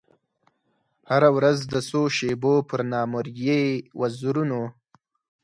هره ورځ د څو شېبو پر نامریي وزرونو